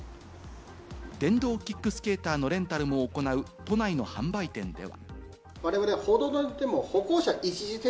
電動キックスケーターのレンタルを行う都内の販売店では。